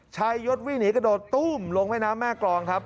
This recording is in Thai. ชายศรัชดาวิ่งหนีกระโดดตู้มลงไปน้ำแม่กรองครับ